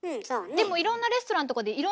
でもいろんなレストランとかであります。